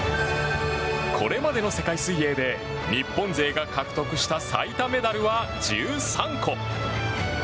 これまでの世界水泳で日本勢が獲得した最多メダルは１３個。